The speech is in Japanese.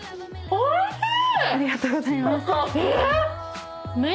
おいしい！